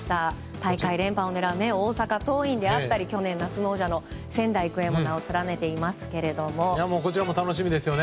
大会連覇を狙う大阪桐蔭であったり去年夏の王者の仙台育英も名を連ねていますがこちらも楽しみですよね。